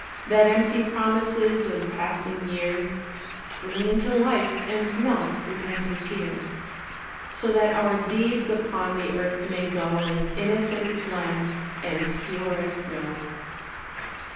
That empty promises Of passing years Spring into life, and not Repenting tears. So that our deeds upon The earth may go, As innocent as lambs, And pure as snow.